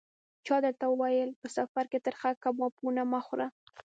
چا درته ویل: په سفر کې ترخه کبابونه مه خوره.